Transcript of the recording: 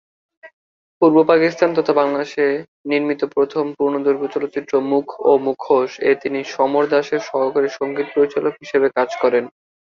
পূর্ব পাকিস্তান তথা বাংলাদেশে নির্মিত প্রথম পূর্ণদৈর্ঘ্য চলচ্চিত্র "মুখ ও মুখোশ"-এ তিনি সমর দাসের সহকারী সঙ্গীত পরিচালক হিসেবে কাজ করেন।